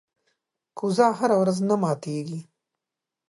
کوزه هره ورځ نه ماتېږي.